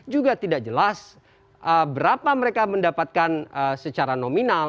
juga tidak jelas berapa mereka mendapatkan secara nominal